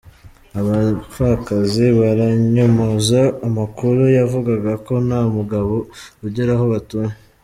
Abapfakazi baranyomoza amakuru yavugaga ko nta mugabo ugera aho batuye